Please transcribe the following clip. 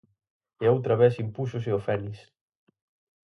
E outra vez impúxose o Fénix.